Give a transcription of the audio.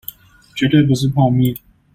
絕對不是泡麵